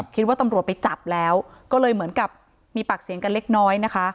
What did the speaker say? คิดว่าตำรวจไปจับแล้วก็เลยเหมือนกับมีปากเสียงกันเล็กน้อยนะคะ